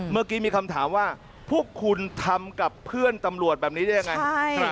เมื่อกี้มีคำถามว่าพวกคุณทำกับเพื่อนตำรวจแบบนี้ได้ยังไง